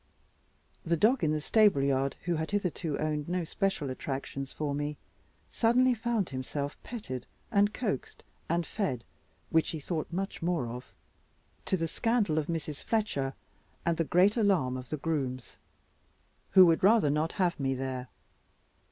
The dog in the stableyard, who had hitherto owned no especial attractions for me, suddenly found himself petted, and coaxed, and fed (which he thought much more of) to the scandal of Mrs. Fletcher, and the great alarm of the grooms, who would rather not have me there.